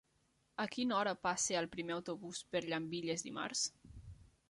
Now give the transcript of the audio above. A quina hora passa el primer autobús per Llambilles dimarts?